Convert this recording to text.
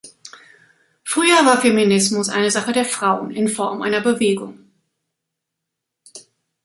Früher war Feminismus eine Sache der Frauen in Form einer Bewegung.